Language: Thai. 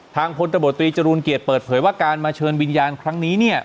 พลตบตรีจรูลเกียจเปิดเผยว่าการมาเชิญวิญญาณครั้งนี้เนี่ย